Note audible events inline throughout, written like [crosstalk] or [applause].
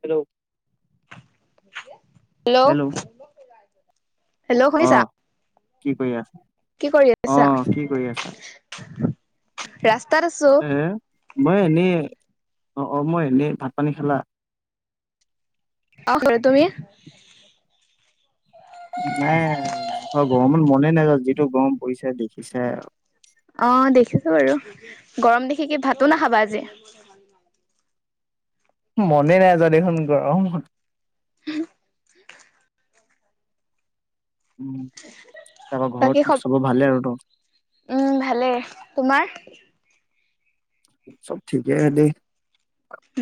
Hello. Hello. Hello অ শুনিছা? কি কৰি আছ? কি কৰি আছা? ৰাস্তাত আছো। এ মই এনেই অ', অ' মই এনেই ভাত পানী খালা অ' [unintelligible] তুমি নাই নাই খোৱা গৰমত মনে নাযাওঁ যিটো গৰম পৰিছে দেখিছায়ে অ দেখিছো বাৰু। গৰম দেখি কি ভাতো নাখাবা আজি? মনে নাই যোৱা দেখোন গৰম [unintelligible] উম। তাৰপা বাকী ঘৰত সব চব ভালে আৰু ত'। উম ভালে। তোমাৰ? চব ঠিকে এনেই।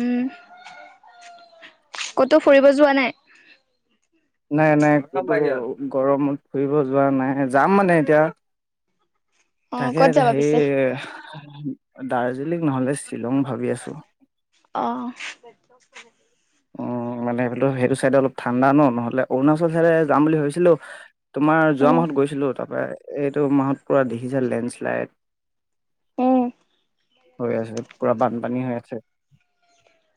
উম কতো ফুৰিব যোৱা নাই? নাই নাই গৰমত ফুৰিব যোৱা নাই যাম মানে এতিয়া। অ' ক'ত তাকে যাবা পিছে? হেৰি দাৰ্জিলিং নহ'লে শ্বিলং ভাবি আছো। অ'। উম মানে সেইটো চাইডে অলপ ঠাণ্ডা ন নহলে অৰুণাচল চাইডে যাম বুলি ভাবিছিলো তোমাৰ যোৱা উম, মাহত গৈছিলো তাৰ পৰা এইটো মাহত পুৰা দেখিছায়ে লেণ্ডশ্লাইড উম, হৈ আছে পুৰা বানপানী হৈ আছে।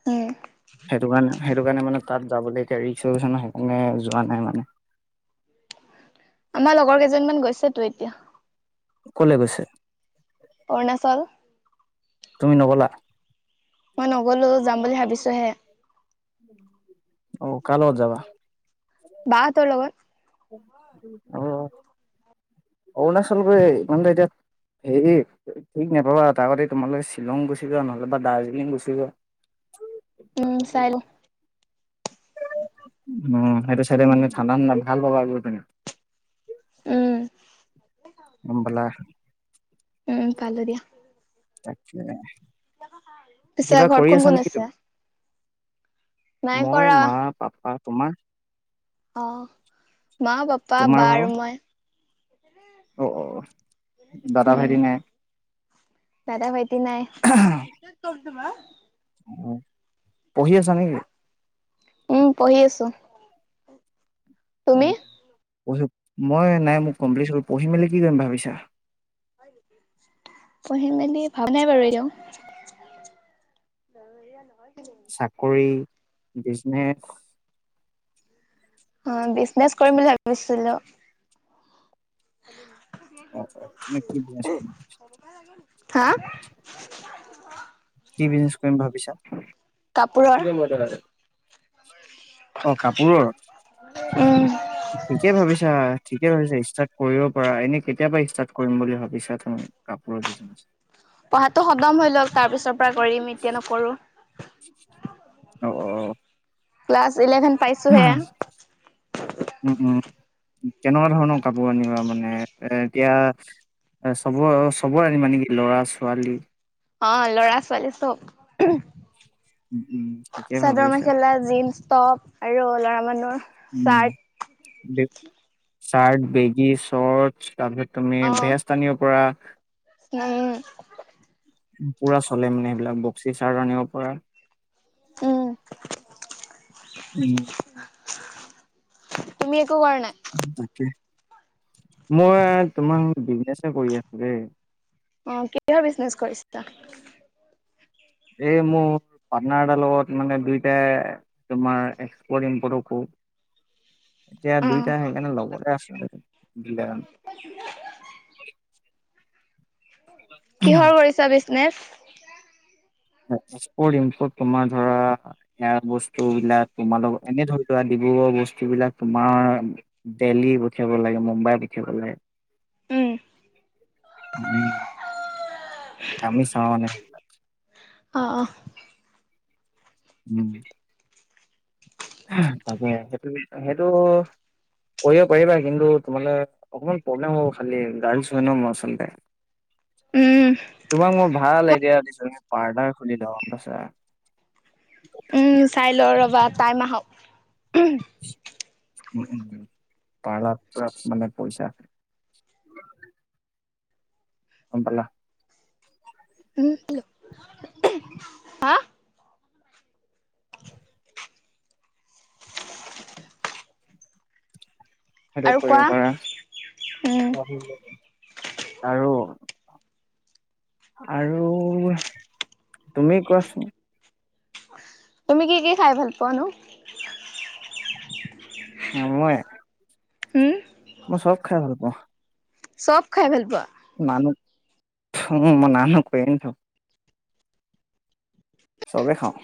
উম। সেইটো কাৰণে সেইটো কাৰণে মানে তাত যাবলৈ এতিয়া ৰিক্স ৰিক্স ন সেইকাৰণে যোৱা নাই মানে। আমাৰ লগৰ কেইজনমান গৈছে তো এতিয়া। ক'লে গৈছে? অৰুণাচল। তুমি নগ'লা? মই নগলো যাম বুলি ভাবিছোহে। অ' কাৰ লগত যাবা? বা হঁতৰ লগত। অ' অৰুণাচল গৈ [unintelligible] হেই ঠিক নাপাবা তাৰআগতে তোমালোকে শ্বিলং গুচি যোৱা নহ'লে বা দাৰ্জিলিং গুচি যোৱা। উম চাই লওঁ। [unintelligible] অ' সেইটো চাইডে মানে ঠাণ্ডা ঠাণ্ডা ভাল পাবা আৰু গৈ পিনে। উম। গম পালা। উম পালো দিয়া। তাকে পিছে কিবা ঘৰত কোন কৰি আছা কোন নেকি আছে? তুমি? নাই মই কৰা। মা পাপা তোমাৰ অ' মা, পাপা, তোমাৰ বা আৰু ভাগৰ মই। অ', অ' দাদা উম ভাইটি নাই। দাদা, ভাইটি নাই। [unintelligible] পঢ়ি আছা নেকি? উম পঢ়ি আছো। তুমি মই নাই মোক কমপ্লিট হ'ল। পঢ়ি মেলি কি কৰিম ভাবিছা? পঢ়ি মেলি ভাৱ নাই বাৰু এতিও। [unintelligible] চাকৰি, বিজনেছ, উম বিছনেছ কৰিম বুলি ভাবিছিলো। হা [unintelligible] কি বিজনেছ কৰিম ভাবিছা? কাপোৰৰ। অ কাপোৰৰ, উম ঠিকেই ভাবিছা। ঠিকে ষ্টাৰ্ট কৰিব পাৰা, এনে কেতিয়াবা ষ্ট বুলি ভাবিছা তুমি কাপোৰৰ বিছনেজ? পঢ়াতো খদম হৈ লওক, তাৰ পিছৰ পৰা কৰিম এতিয়া নকৰো। অ। ক্লাছ ইলেভেন পাইছোহে উম উম। কেনেকুৱা ধৰণৰ কাপোৰ আনিবা মানে, এ এতিয়া চবৰ-চবৰে আ মানে কি ল'ৰা ছোৱালী অ ল'ৰা ছোৱালী চব। উম উম ঠিকে ভাবিছা চাদৰ-মেখেলা, জীন্স-টপ আৰু লৰা মানুহ উ চাৰট, বেগি, শৰ্চ, তাৰপিছত তুমি অ ভেজ আনিৰ পৰা। উম। পুৰা চলে মানে সেইবিলাক বক্সি চাৰ্ত আনিব পৰা। উম। উম। তুমি একো কৰা নাই তাক। মই তোমাক বিজনেচ কৰি আছো দেই। অ কিহৰ বিজনেচ কৰিছিলা? এই মোৰ পাৰ্নাৰ এটাৰ লগত মানে দুইটাই তোমাৰ এক্সপৰ্ট-ইমপৰ্টও কৰো। এতিয়া অ দুইটা সেইকাৰণে লগতে আছ [unintelligible] কিহৰ কৰিছা বিজনেছ? এক্সপৰ্ট-ইমপৰ্ট তোমাৰ ধৰা এয়া বস্তু বিলাক তোমাল এনে ধৰি লোৱা বস্তু বিলাক তোমাৰ দেলহি পঠিয়াব লাগে, মুম্বাই পঠিয়াব লাগে। উম উম আমি চাও মানে সেইবিলাক। অ অ উম। তাকে সেইটো সেইটো কৰিব পাৰিবা, কিন্তু তোমালে অকমান প্ৰব্লেম হ'ব খালি গাৰ্ছ হয় ন আচলতে। উম [inaudible] তোমাক মই ভাল আইডিয়া দিছ পাৰ্ডাৰ খুলি লোৱা, সঁচা [inaudible] উম চাই ল ৰ'বা টাইম আহক। [inaudible] উম উম পাৰ্লাৰত মানে পইচা গমপালা। উম--হা? [inaudible] সেইটো আৰু কৰিব কোৱা পৰা। উম আৰু আৰু তুমি কোৱাচোন? তুমি কি কি খাই ভাল পোৱা নো? নমাই উম মই চব খাই ভাল পাওঁ চব খাই ভাল পোৱা নান মই নানু কনটো চবে খাওঁ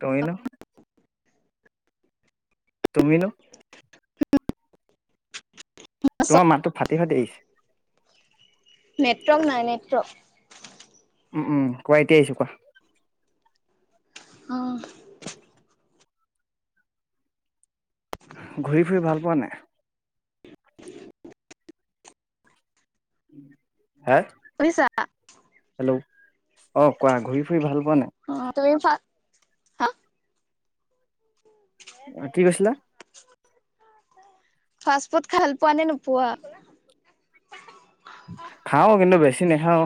তই ন তুমি নো তোমাৰ মাতটো ফাটি ফাটি আহিছে নেটৱৰ্ক নাই নেটৱৰ্ক উম উম কোৱা এতিয়া আহিছো কোৱা আহ ঘূৰি ফুৰি ভাল পোৱা নাই হা শুনিছা হেল্ল' অ কোৱা ঘূৰি ফুৰি ভাল পোৱা নাই অ তুমি হা অ কি কৈছিলা ফাষ্ট ফুড খাল পোৱা নে নোপোৱা খাও কিন্তু বেছি নাখাও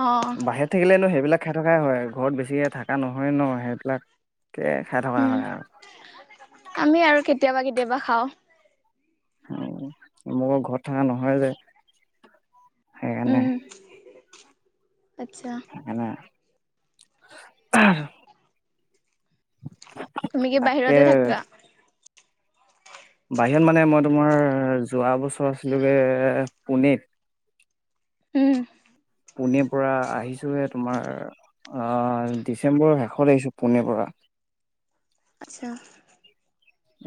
অ বাহৰে থাকিলেনো সেইবিলাক খাই থকাই হয় ঘৰত বেছিক থকা নহয় ন সেইবিলাকে খাই থকা উম হয় আৰু আমি আৰু কেতিয়াবা কেতিয়াবা খাওঁ মোক ঘৰতথা নহয় যে সেইকাৰণে উম আচ্ছা আহ তুমি কি তাকে বাহিৰতে থাকা বাহিৰত মানে মই তোমাৰ যোৱা বছৰ আছিলোগে পোনেত উম পোনে পৰা আহিছোহে তোমাৰ আহ ডিচেম্বৰৰ শেষত আহিছো পোনে পৰা [inaudible] আহ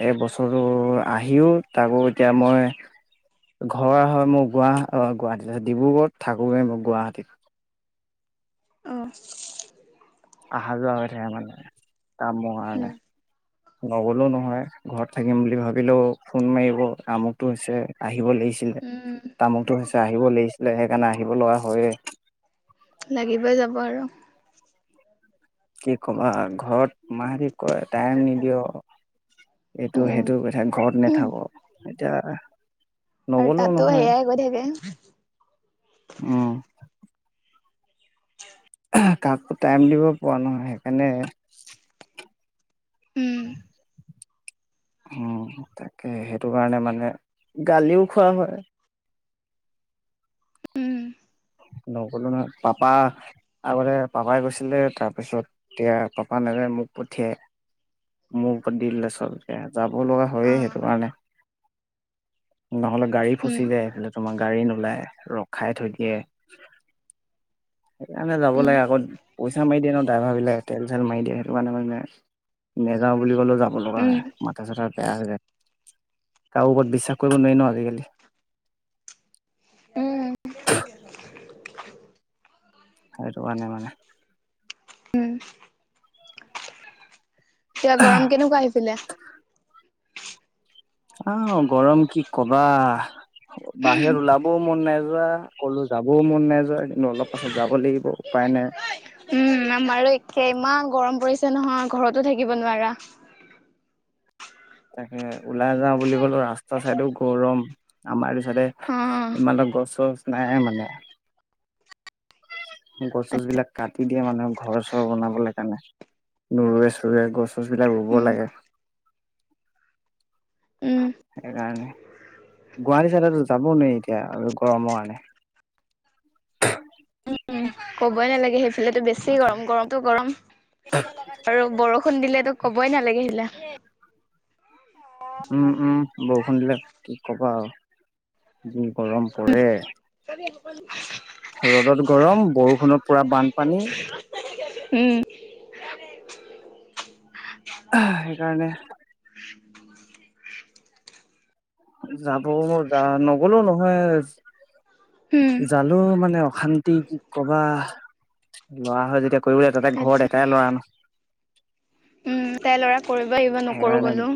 এই বছৰটো আহিও তাকো এতিয়া মই ঘৰ হয় মোৰ গুৱ অ গুৱাহাটীত আছে ডিব্ৰুগড়ত থাকোৱে মোৰ গুৱাহাটীত অ অহা যোৱা হৈ থে মানে কাম ৰ কাৰণে উম নগলেও নহয় ঘৰত থাকিম বুলি ভাবিলেও ফোন মাৰিব আমুকটো হৈছে আহিব লাগিছে উম তামুকটো হৈছে আহিব লাগিছিলে সেইকাৰণে আহিব লগা হয়ে লাগিবই যাব আৰু কি কবা ঘৰত মাহতে কয় টাইম নিদিও এইটো সেইটো কৰি থাক ঘৰত উম নেথাকো এতিয়া আৰু নগলেও তাতো নহয় সেয়াই গৈ থাকে উম কাকো টাইম দিব পৰা নহয় সেইকাৰণে উম উম তাকে সেইটো কাৰণে মানে গালিও খোৱা হয় অ'। উম, নগলো নহয় পাপা আগতে পাপাই গৈছিলে তাৰ পিছত এতিয়া পাপা নেযাই মোক পঠিয়াই মোক দিলে চবকে যাব লগা হয়ে সেইটো কাৰণে নহ'লে গাড়ী উম, ফচি যায় এইফালে তোমাৰ গাড়ী নোলায় ৰখাই থৈ দিয়ে [inaudible] সেইকাৰণে যাব লাগে আকৌ পইচা মাৰি দিয়ে ন ড্ৰাইভাৰ বিলাকে তেল চেল মাৰি দিয়ে সেইটো কাৰণে মানে নেযাও বুলি ক'লে যাব লগা উম, হয় মাথা চাথা কাৰো ওপৰত বিশ্বাস কৰিব নোৱাৰি ন আজিকালি উম, [unintelligible] সেইটো কাৰানে মানে উম এতিয়া গৰম কেনেকুৱা আহিছিলে আহ গৰম কি কবা বাহিৰত ওলাবও মন নাযায় কলো যাবও মন নেযায় কিন্তু অলপ পাছত যাব লাগিব উপায় নাই উম আমাৰো একেই ইমান গৰম পৰিছে নহয় ঘৰতো থাকিব নোৱাৰা তাকে ওলাই যাওঁ বুলি ক'লো ৰাস্তা চাইদো গৰম আমাৰ অ', ইমানতা গছ চছ নাই মানে গছ গছ বিলাক কাটি দিয়ে মানুহে ঘৰ চৰ বনাবলৈ কাৰণে নৰুৱে চৰুৱে গছ গছবিলাক ৰুব উম, লাগে উম, সেইকাৰণে গুৱাহাটী তাতে যাব নোৱাৰি এতিয়া আৰু গৰমৰ কাৰণে উম, ক'বই নালাগে সেই বেছি মাথা গৰম গৰমটো গৰম আৰু বৰষুণ দিলেতো কবই নালাগে সিলা হ [unintelligible] উম উম বৰষুণ দিলে কি ক'বা আৰু গৰম পৰে ৰ'দত গৰম বৰষুণত পুৰা বানপানী উম সেইকাৰণে যাব যা নগলেও নহয় উম। জালো মানে অশান্তি কি কবা লৰা হয় যেতিয়া। কৰিবলৈ তাতে আচ্ছা, ঘৰত এটাই ল'ৰা ন। উম তাই ল'ৰা- কৰিব আহিব নকৰো সেইকাৰণে ক'লো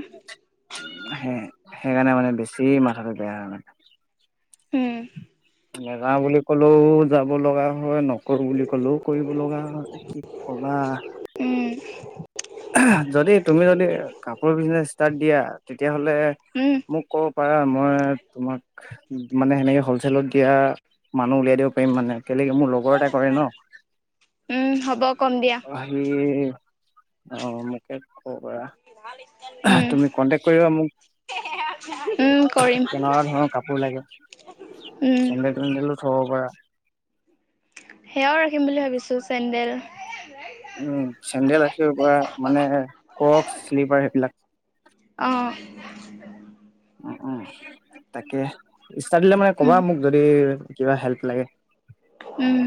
সে- সেইকাৰণে মানে বেছি মাথাটো বেয়া হয় মান। হম। নেগাও বুলি ক'লেও যাব লগা হয় ন- কৰো বুলি কলও কৰিব লগা হয় কি কবা। উম। যদি তুমি যদি কাপোৰ বিজনেচ ষ্টাৰ্ট দিয়া তেতিয়াহ'লে উম, মোক কক- পাৰা মই তোমাক মানে সেনেকে হলচেলত দিয়া মানুহ উলিয়াই দিব পাৰিম মানে- মোৰ লগৰ এটা কৰে ন- উম, হ'ব কম দিয়া আহি অ মোকে কব পৰা- উম, তুমি কন্টেকট কৰিবা মোক। উম, ত কৰিম কেনেকুৱা ধৰণৰ কাপোৰ লাগে উম। চেণ্ডেল থেডেলো থক- বা- সেয়াও ৰাখিম বুলি ভাবিছো চেডেল। উম চেডেল আছে বা মানে কক শ্লিপাৰ সেইবিলাক- আহঁ। অঁ অঁ। তাকে ষ্টাৰ দিলে মানে ক'বা উম, মোক যদি কিবা হেল্প লাগে। উম।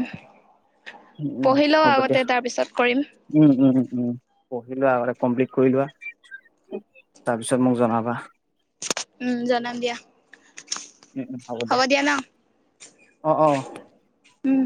উম উম পঢ়ি লওঁ হ'ব দিয়া আগতে তাৰপিছত কৰিম, উম উম উম উম। পঢ়ি লোৱা আৰু কমপ্লিট কৰি লোৱা তাৰ পিছত মোক জনাবা- উম জনাম দিয়া। উম উম হ'ব দিয়া অ অ। উম।